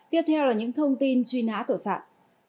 tiếp theo là những thông tin truy nã tội phạm